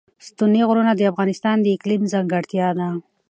ستوني غرونه د افغانستان د اقلیم ځانګړتیا ده.